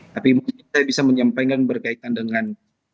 tapi mungkin saya bisa menyampaikan berkaitan dengan